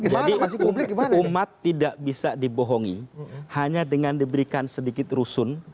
jadi umat tidak bisa dibohongi hanya dengan diberikan sedikit rusun